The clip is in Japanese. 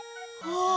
ああ！